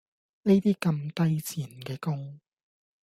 呢啲咁低賤嘅工